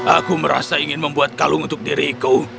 aku merasa ingin membuat kalung untuk diriku